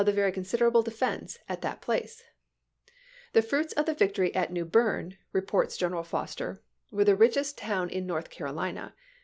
the very considerable defenses at that place. " The fruits of the victory at New Berne," reports General KOANOKE ISLAND • 247 Foster, " were the richest town in North Carolina, chap.